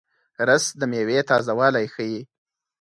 رس د میوې تازهوالی ښيي